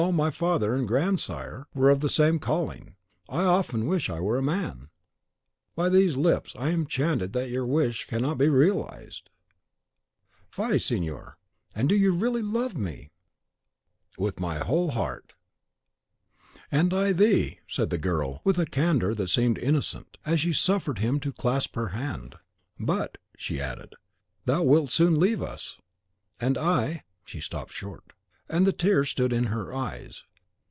My father and grandsire were of the same calling. I often wish I were a man!" "By these lips, I am enchanted that your wish cannot be realised." "Fie, signor! And do you really love me?" "With my whole heart!" "And I thee!" said the girl, with a candour that seemed innocent, as she suffered him to clasp her hand. "But," she added, "thou wilt soon leave us; and I " She stopped short, and the tears stood in her eyes.